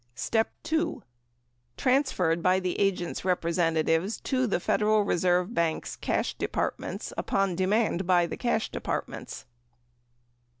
Transferred by the agent's representa tives to the Federal Reserve banks (cash departments) upon demand by the cash departments.